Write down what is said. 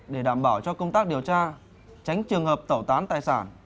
để đảm bảo cho công tác điều tra tránh trường hợp tẩu tán tài sản